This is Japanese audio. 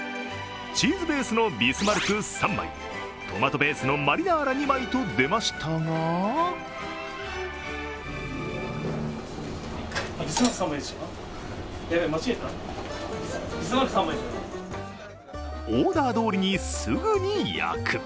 チーズベースのビスマルク３枚、トマトベースのマリナーラ２枚と出ましたがオーダーどおりにすぐに焼く。